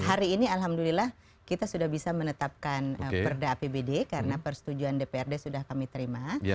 hari ini alhamdulillah kita sudah bisa menetapkan perda apbd karena persetujuan dprd sudah kami terima